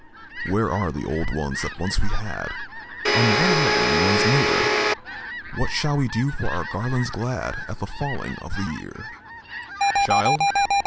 Where are the old ones that once we had, And when are the new ones near? What shall we do for our garlands glad At the falling of the year?" "Child!